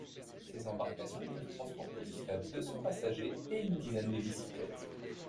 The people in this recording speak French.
Ces embarcations peuvent transporter jusqu'à deux cents passagers et une dizaine de bicyclettes.